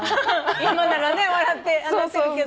今ならね笑って話せるけど。